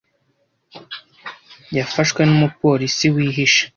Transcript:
Yafashwe n’umupolisi wihishe.